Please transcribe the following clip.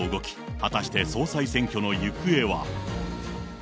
果たして総裁選挙の行方は。